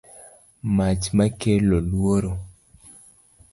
mach ma kelo luoro